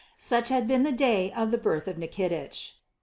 Such had been the day of the birth of Nikitich.